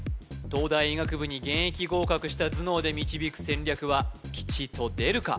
東大医学部に現役合格した頭脳で導く戦略は吉と出るか？